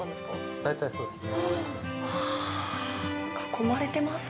大体そうですね。